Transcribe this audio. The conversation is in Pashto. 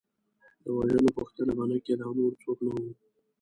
د وژنو پوښتنه به نه کېده او نور څوک نه وو.